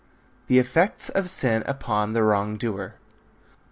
THE EFFECTS OF SIN UPON THE WRONG DOER.